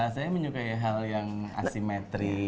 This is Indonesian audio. saya menyukai hal yang asimetri